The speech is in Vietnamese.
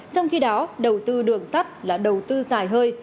trong khi đó đầu tư đường sắt là đầu tư dài hơi